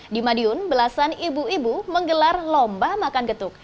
di madiun belasan ibu ibu menggelar lomba makan getuk